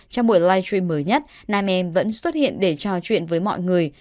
trong buổi live stream mới nhất nam em vẫn xuất hiện để trò chuyện với mọi người